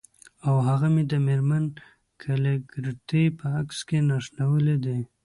او هغه مې د میرمن کلیګرتي په عکس نښلولي دي